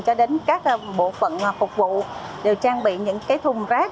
cho đến các bộ phận phục vụ đều trang bị những thùng rác